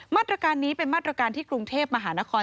มาตรการนี้เป็นมาตรการที่กรุงเทพมหานคร